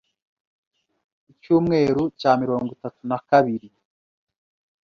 Icyumweru cya mirongo itatu na kabiri